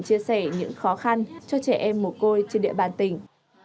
chia sẻ những khó khăn cho trẻ em mồ côi trên địa bàn tỉnh